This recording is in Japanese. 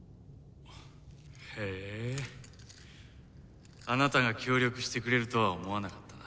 へぇあなたが協力してくれるとは思わなかったな。